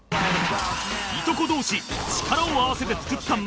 いとこ同士力を合わせて作った漫才